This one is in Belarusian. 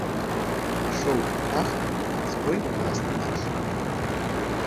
Ішоў у тахт пад свой уласны марш.